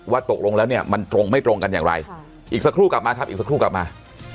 ตกลงแล้วเนี่ยมันตรงไม่ตรงกันอย่างไรอีกสักครู่กลับมาครับอีกสักครู่กลับมา